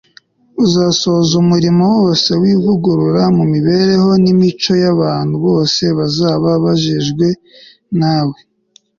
uzasohoza umurimo wose w'ivugurura mu mibereho n'imico y'abantu bose bazaba bejejwe na w